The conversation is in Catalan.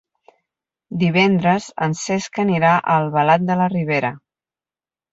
Divendres en Cesc anirà a Albalat de la Ribera.